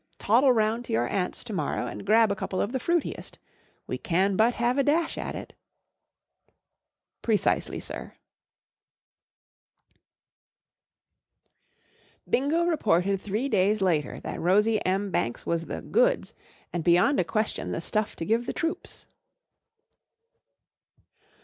Toddle round to your aunt's to morrow and grab a couple of the fruitiest. We can but have a dash at it/' " Precisely, sir." B INGO reported three days later that Rosie M. Banks was the goods and beyond a question the stuff to give the troops.